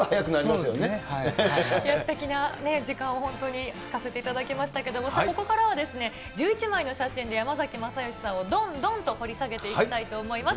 すてきなね、時間を本当に聴かせていただきましたけど、ここからは、１１枚の写真で山崎まさよしさんをどんどんと掘り下げていきたいと思います。